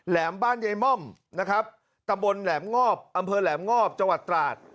แหมบ้านยายม่อมนะครับตำบลแหลมงอบอำเภอแหลมงอบจังหวัดตราด